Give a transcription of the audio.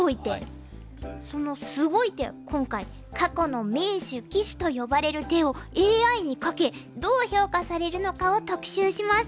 そのすごい手を今回過去の名手・鬼手と呼ばれる手をＡＩにかけどう評価されるのかを特集します。